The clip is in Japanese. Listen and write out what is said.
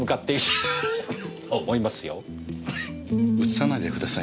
うつさないでくださいね。